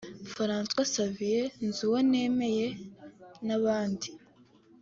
Francois Xavier Nzuwonemeye n’abandi